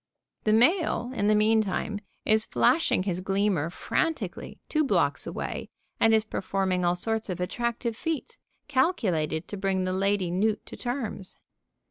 The male, in the meantime, is flashing his gleamer frantically two blocks away and is performing all sorts of attractive feats, calculated to bring the lady newt to terms.